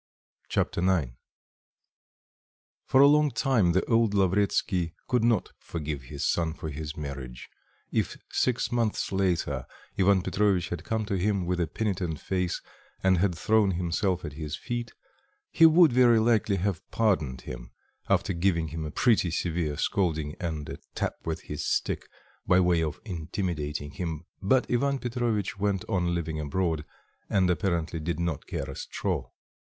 Chapter IX For a long time the old Lavretsky could not forgive his son for his marriage. If six months later Ivan Petrovitch had come to him with a penitent face and had thrown himself at his feet, he would, very likely, have pardoned him, after giving him a pretty severe scolding, and a tap with his stick by way of intimidating him, but Ivan Petrovitch went on living abroad and apparently did not care a straw.